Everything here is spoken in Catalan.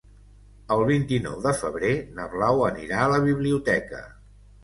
El vint-i-nou de febrer na Blau anirà a la biblioteca.